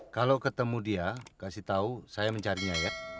kalau ketemu dia kasih tahu saya mencarinya ya